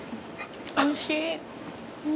おいしい。